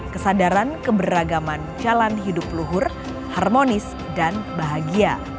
kesadaran keberagaman jalan hidup luhur harmonis dan bahagia